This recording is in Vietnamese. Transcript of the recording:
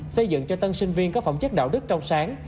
xây dựng cho tân sinh viên có phẩm chất đạo đức trong sáng